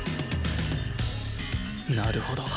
なるほど